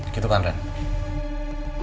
gitu kan randy